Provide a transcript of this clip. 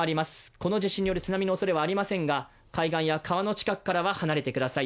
この地震による津波のおそれはありませんが、海岸や川の近くからは離れてください。